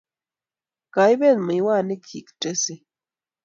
Kaibet miwanik chi Tracy